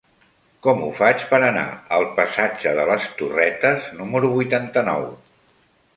Com ho faig per anar al passatge de les Torretes número vuitanta-nou?